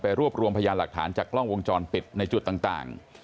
รวบรวมพยานหลักฐานจากกล้องวงจรปิดในจุดต่าง